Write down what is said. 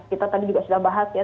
kita tadi juga sudah bahas ya